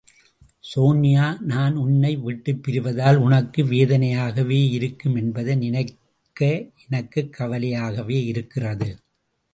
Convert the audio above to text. சோன்யா, நான் உன்னை விட்டுப் பிரிவதால் உனக்கு வேதனையாகவே இருக்கும் என்பதை நினைக்க எனக்குக் கவலையாகவே இருக்கிறது.